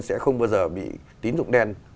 sẽ không bao giờ bị tín dụng đen